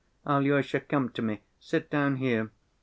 Alyosha, come to me, sit down here."